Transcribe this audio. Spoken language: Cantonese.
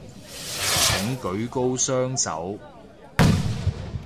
請舉高雙手